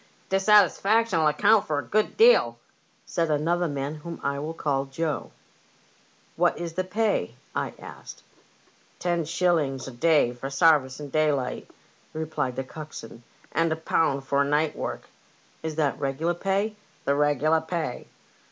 " Dissatisfaction'll account for a good deal," said another man, whom I will call Joe. " What is the pay ?" I asked. " Ten shillings a day for sarvice in daylight," replied the coxswain, and a pound for night work." " Is that the regular pay ?"" The regular pay."